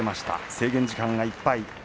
制限時間がいっぱいです。